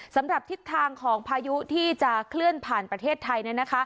สำหรับทิศทางของพายุที่จะเคลื่อนผ่านประเทศไทย